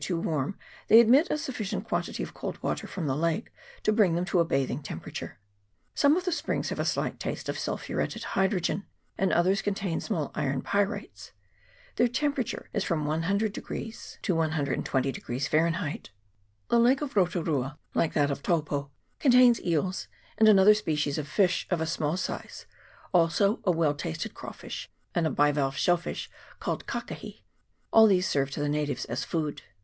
too warm they admit a sufficient quantity of cold water from the lake to bring them to a bathing temperature. Some of the springs have a slight taste of sulphuretted hydrogen, and others contain small iron pyrites; their temperature is from 100 to 120 Fahrenheit. The lake of Rotu rua, like that of Taupo, con tains eels, and another species of fish of a small size ; also a well tasted crawfish, and a bivalve shell fish called kakahi : all these serve to the natives as food.